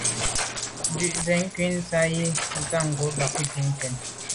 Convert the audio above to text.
Ntshu i nke ntswe’ tsha’ yi ntsan ngo’ bàn bwe ke yen.